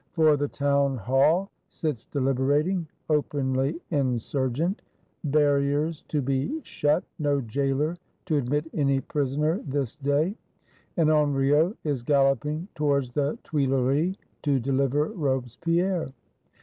For the Townhall sits deliberating, openly insurgent: Barriers to be shut; no Gaoler to admit any Prisoner this day; — and Henriot is galloping towards the Tuileries, to deliver Robespierre.